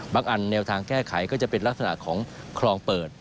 อันแนวทางแก้ไขก็จะเป็นลักษณะของคลองเปิด